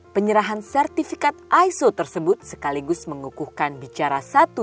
penyerahan sertifikat iso tersebut sekaligus mengukuhkan bicara satu ratus tiga puluh satu